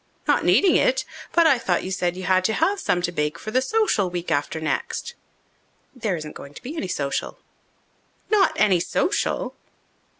"Not needing it! But I thought you said you had to have some to bake for the social week after next." "There isn't going to be any social." "Not any social?"